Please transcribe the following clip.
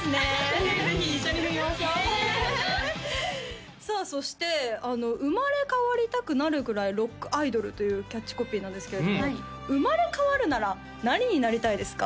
ぜひぜひ一緒に振りましょうさあそして「生まれ変わりたくなるくらいＲＯＣＫＩＤＯＬ」というキャッチコピーなんですけれども生まれ変わるなら何になりたいですか？